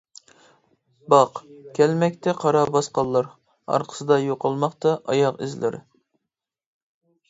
باق، كەلمەكتە قارا باسقانلار، ئارقىسىدا يوقالماقتا ئاياغ ئىزلىرى.